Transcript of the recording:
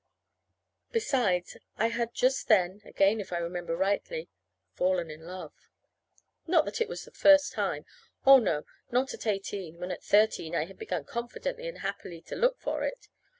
Besides, I had just then (again if I remember rightfully) fallen in love. Not that it was the first time. Oh, no, not at eighteen, when at thirteen I had begun confidently and happily to look for it!